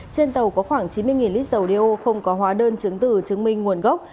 trên tàu có khoảng chín mươi lít dầu đeo không có hóa đơn chứng từ chứng minh nguồn gốc